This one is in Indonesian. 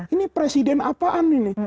ini presiden apaan ini